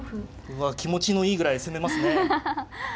うわ気持ちのいいぐらい攻めますね。